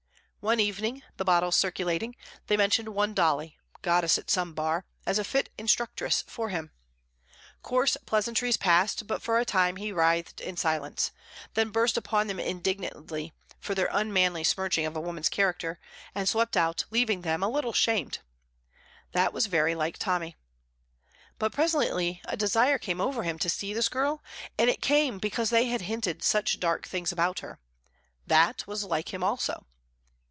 One evening, the bottles circulating, they mentioned one Dolly, goddess at some bar, as a fit instructress for him. Coarse pleasantries passed, but for a time he writhed in silence, then burst upon them indignantly for their unmanly smirching of a woman's character, and swept out, leaving them a little ashamed. That was very like Tommy. But presently a desire came over him to see this girl, and it came because they had hinted such dark things about her. That was like him also.